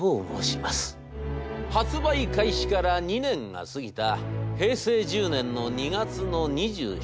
発売開始から２年が過ぎた平成１０年の２月の２７日。